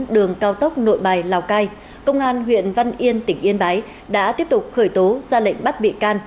đường cao tốc nội bài lào cai công an huyện văn yên tỉnh yên bái đã tiếp tục khởi tố ra lệnh bắt bị can